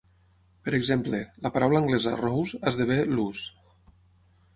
Per exemple, la paraula anglesa "rose" esdevé "lose".